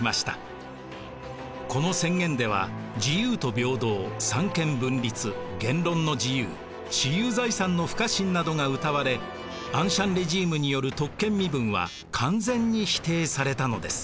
この宣言では自由と平等三権分立言論の自由私有財産の不可侵などがうたわれアンシャン・レジームによる特権身分は完全に否定されたのです。